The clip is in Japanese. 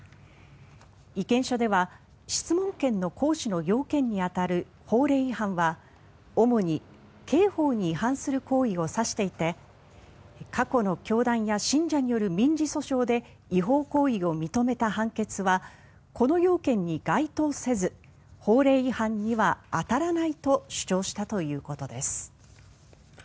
意見書では質問権の行使の要件に当たる法令違反は主に刑法に違反する行為を指していて過去の教団や信者による民事訴訟で違法行為を認めた判決はこの要件に該当せず法令違反には当たらないと主張したということです。